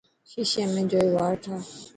شيشي ۾ جوئي واڙ ٺاهه.